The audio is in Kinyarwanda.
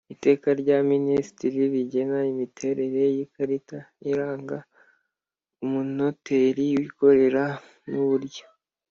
Iteka rya minisitiri rigena imiterere y ikarita iranga umunoteri wikorera n uburyo